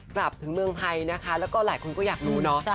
กลับถึงเมืองไทยนะคะแล้วก็หลายคนก็อยากรู้เนาะ